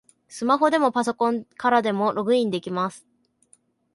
スマホでもパソコンからでもログインできます